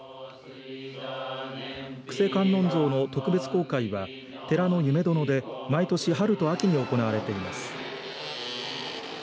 救世観音像の特別公開は寺の夢殿で毎年春と秋に行われています。